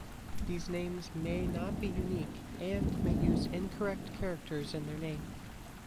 These names may not be unique and may use incorrect characters in their name.